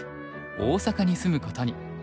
大阪に住むことに。